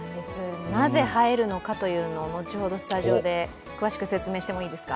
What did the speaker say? なぜ映えるのかというのを後ほどスタジオで詳しく説明してもいいですか？